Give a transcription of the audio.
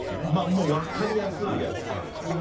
もう分かりやすいやつか。